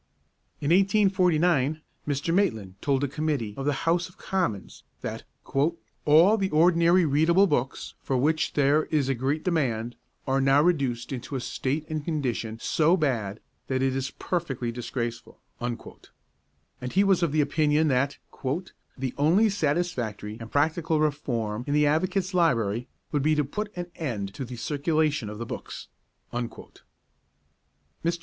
In 1849 Mr. Maitland told a Committee of the House of Commons that 'all the ordinary readable books, for which there is a great demand, are now reduced into a state and condition so bad that it is perfectly disgraceful'; and he was of opinion that 'the only satisfactory and practical reform in the Advocates' Library would be to put an end to the circulation of the books.' Mr.